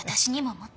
もっと！